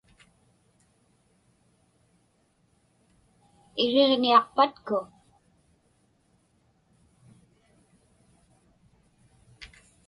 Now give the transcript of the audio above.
Iriġniaqpatku?